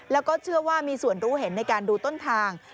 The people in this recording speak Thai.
แล้วก็เชื่อว่ามีส่วนรู้เห็นในการดูต้นทาง